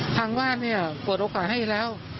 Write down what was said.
ทางบ้านเนี่ยเปิดโอกาสให้แล้ว